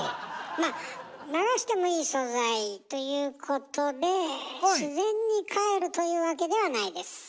まあ「流してもいい素材」ということで「自然にかえる」というわけではないです。